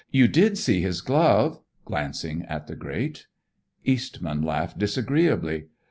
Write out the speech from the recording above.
You did see his glove," glancing at the grate. Eastman laughed disagreeably.